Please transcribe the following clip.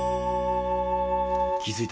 気付いた？